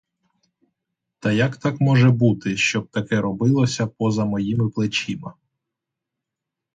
Та як так може бути, щоб таке робилося поза моїми плечима?